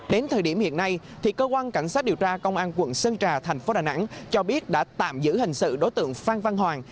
đến thời điểm hiện nay cơ quan cảnh sát điều tra công an quận sơn trà thành phố đà nẵng cho biết đã tạm giữ hình sự đối tượng phan văn hoàng